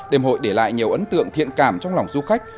đêm hội để lại nhiều ấn tượng thiện cảm trong lòng du khách